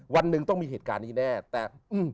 วันหนึ่งต้องมีเหตุการณ์นี้แน่แต่อืม